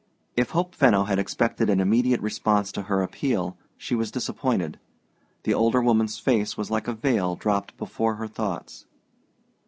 If Hope Fenno had expected an immediate response to her appeal, she was disappointed. The older woman's face was like a veil dropped before her thoughts.